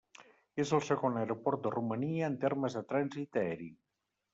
És el segon aeroport de Romania en termes de trànsit aeri.